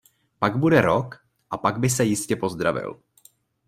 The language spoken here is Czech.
Pak bude rok a pak by se jistě pozdravil!